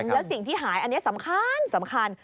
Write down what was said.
แล้วสิ่งที่หายอันนี้สำคัญสำคัญ